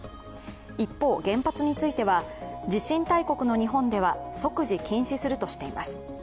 一方、原発については地震大国の日本では即時禁止するとしています。